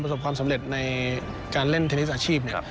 ประสบความสำเร็จในการเล่นเทนนิสอาชีพ